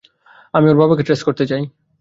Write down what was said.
আমি ওর বাবা-মাকে ট্রেস করতে চাই।